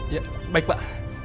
ya baik pak